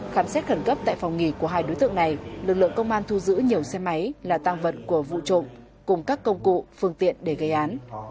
khám xét khẩn cấp tại phòng nghỉ của hai đối tượng này lực lượng công an thu giữ nhiều xe máy là tăng vật của vụ trộm cùng các công cụ phương tiện để gây án